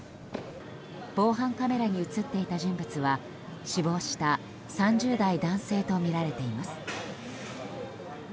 防犯カメラに映っていた人物は死亡した３０代男性とみられています。